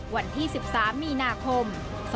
วันที่๑๓มีนาคม๒๕๔๔